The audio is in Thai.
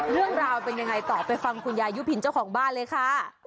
เรื่องราวเป็นยังไงต่อไปฟังคุณยายุพินเจ้าของบ้านเลยค่ะ